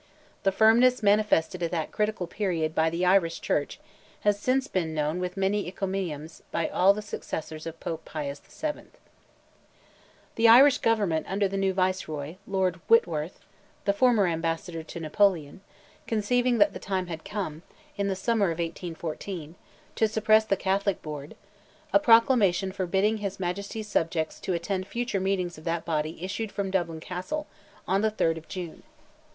The firmness manifested at that critical period by the Irish church has since been acknowledged with many encomiums by all the successors of Pope Pius VII. The Irish government under the new Viceroy, Lord Whitworth (the former ambassador to Napoleon), conceiving that the time had come, in the summer of 1814, to suppress the Catholic Board, a proclamation forbidding his Majesty's subjects to attend future meetings of that body issued from Dublin Castle, on the 3rd of June.